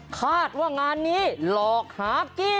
คาดว่างานนี้จะเป็นที่สุดท้ายนะครับ